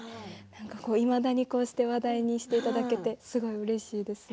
いまだに、こうして話題にしていただけてうれしいです。